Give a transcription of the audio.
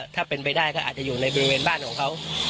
ถ้าเป็นไปได้ก็อาจจะอยู่ในบริเวณบ้านของเขา